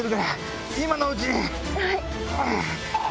はい！